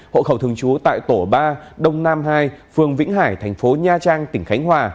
hộ khẩu thường trú tại tổ ba đông nam hai phường vĩnh hải thành phố nha trang tỉnh khánh hòa